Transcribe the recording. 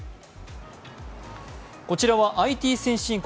こちらは、ＩＴ先進国